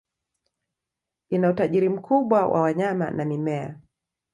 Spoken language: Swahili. Ina utajiri mkubwa wa wanyama na mimea.